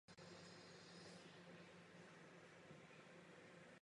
Faktor Xa má klíčový význam ve všech třech stupních.